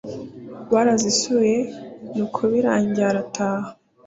barazisuye nuko birangiye arataha